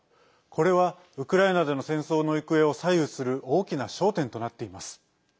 これはウクライナでの戦争の行方を左右する大きな焦点となっています。